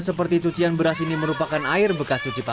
sebelumnya pernah begini juga